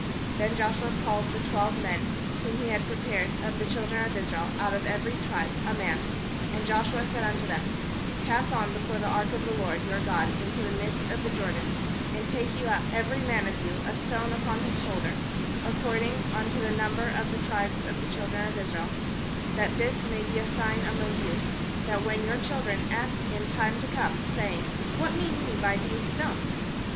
4Then Joshua called the twelve men, whom he had prepared of the children of Israel, out of every tribe a man; ^nd Joshua said unto them: 'Pass on before the ark of the LORD your God into the midst of the Jor dan, and take you up every man of you a stone upon his shoulder, ac cording unto the number of the tribes of the children of Israel; ^hat this may be a sign among you, that when your children ask in time to come, saying: What mean ye by these stones?